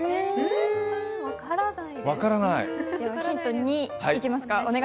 分からない。